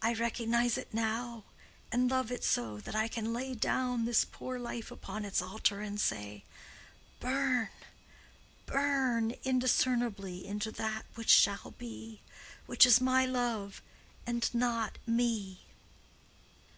I recognize it now, and love it so, that I can lay down this poor life upon its altar and say: 'Burn, burn indiscernibly into that which shall be, which is my love and not me.